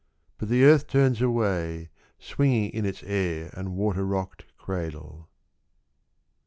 — But the Earth turns away Swinging in its air and water rocked cradle.